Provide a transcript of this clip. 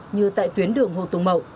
như tại tuyến đường hồ tùng mậu